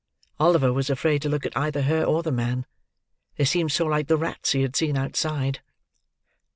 Oliver was afraid to look at either her or the man. They seemed so like the rats he had seen outside.